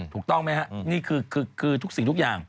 ถูกต้องไหมครับนี่คือทุกสิ่งทุกอย่าง